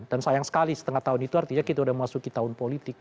dan sayang sekali setengah tahun itu artinya kita sudah masuk ke tahun politik